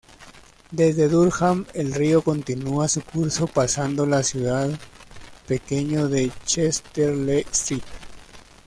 Desde Durham el río continua su curso pasando la ciudad pequeño de Chester-le Street.